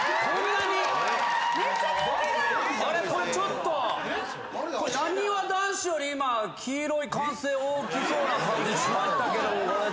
なにわ男子より今黄色い歓声大きそうな感じしましたけど。